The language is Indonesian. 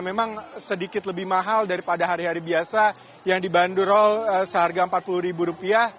memang sedikit lebih mahal daripada hari hari biasa yang dibanderol seharga rp empat puluh